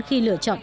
khi lựa chọn